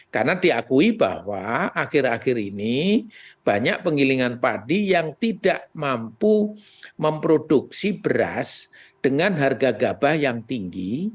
karena diakui bahwa akhir akhir ini banyak penggilingan padi yang tidak mampu memproduksi beras dengan harga gabah yang tinggi